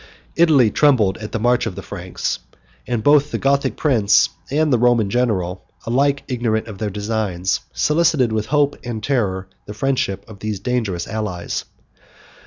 Italy trembled at the march of the Franks; and both the Gothic prince and the Roman general, alike ignorant of their designs, solicited, with hope and terror, the friendship of these dangerous allies.